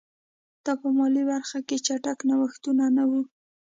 دا په مالي برخه کې چټک نوښتونه وو